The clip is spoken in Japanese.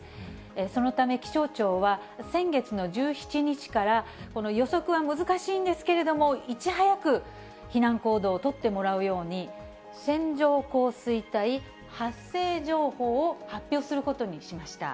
そのため気象庁は、先月の１７日から、この予測は難しいんですけれども、いち早く避難行動を取ってもらうように、線状降水帯発生情報を発表することにしました。